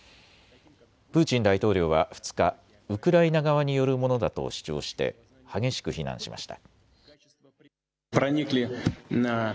プーチン大統領は２日、ウクライナ側によるものだと主張して激しく非難しました。